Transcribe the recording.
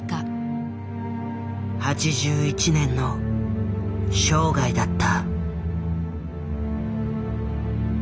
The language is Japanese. ８１年の生涯だった。